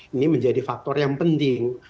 ini menjadi faktor yang penting